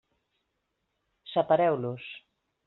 Separeu-los.